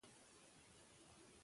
علم د حکومتولی وړتیا لوړوي.